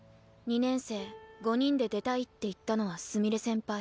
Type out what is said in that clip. ２年生５人で出たいって言ったのはすみれ先輩。